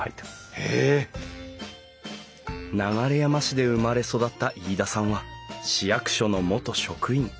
流山市で生まれ育った飯田さんは市役所の元職員。